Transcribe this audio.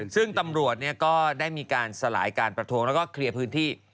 ซึ่งตำรวจก็ได้มีการสลายการประท้วงแล้วก็เคลียร์พื้นที่